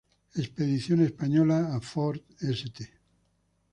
Expedición española a Fort St.